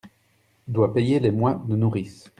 Doit payer les mois de nourrice.